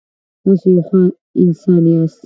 تاسو یو ښه انسان یاست.